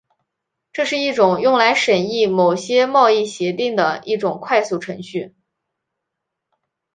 这是一种用来审议某些贸易协定的一种快速程序。